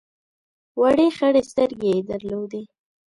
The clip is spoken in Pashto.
وړې خړې سترګې یې درلودې.